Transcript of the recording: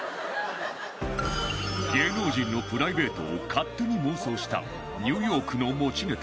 芸能人のプライベートを勝手に妄想したニューヨークの持ちネタ